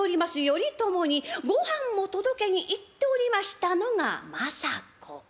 頼朝にごはんを届けに行っておりましたのが政子。